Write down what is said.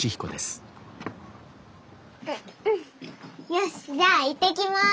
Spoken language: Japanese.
よしじゃあ行ってきます！